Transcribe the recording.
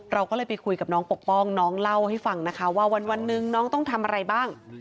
เราก็เลยไปคุยกับน้องปกป้องน้องเล่าให้ฟังนะคะว่าวันหนึ่งน้องต้องทำอะไรบ้าง